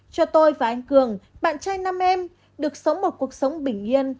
cho tôi và anh cường bạn trai năm em được sống một cuộc sống bình yên